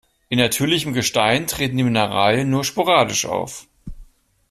In natürlichem Gestein treten die Mineralien nur sporadisch auf.